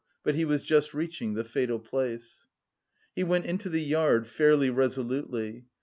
but he was just reaching the fatal place. He went into the yard fairly resolutely.